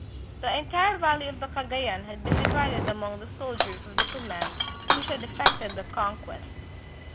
The entire valley of the Cagayan had been divided among the soldiers of the command which had effected the conquest.